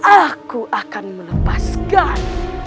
aku akan melepaskan